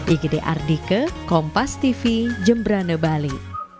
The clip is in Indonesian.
ikhtiar dike kompas tv jemberane bali